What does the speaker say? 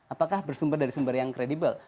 apakah bersumber dari sumber yang kredibel